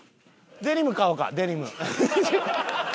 デニム買おうかデニム。